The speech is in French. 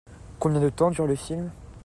Combien de temps dure le film ?